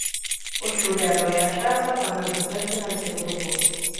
O xurelo e a xarda tamén pertencen a este grupo.